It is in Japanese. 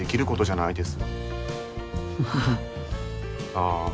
ああ。